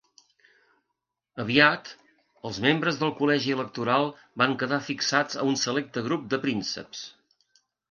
Aviat, els membres del col·legi electoral van quedar fixats a un selecte grup de prínceps.